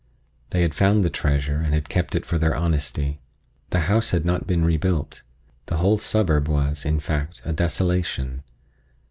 They had found the treasure and had kept it for their honesty. The house had not been rebuilt; the whole suburb was, in fact, a desolation.